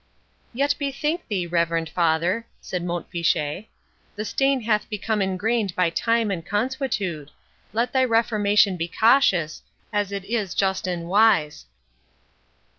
"Yet bethink thee, reverend father," said Mont Fitchet, "the stain hath become engrained by time and consuetude; let thy reformation be cautious, as it is just and wise."